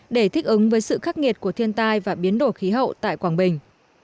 để thích ứng với sự khắc nghiệt của thiên tai và biến đổi khí hậu tại quảng bình